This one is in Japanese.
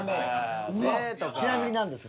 ちなみに何ですか？